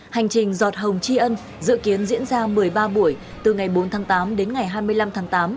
hành trình giọt hồng tri ân dự kiến diễn ra một mươi ba buổi từ ngày bốn tháng tám đến ngày hai mươi năm tháng tám